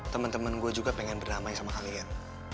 temen temen gue juga pengen berdamai sama kalian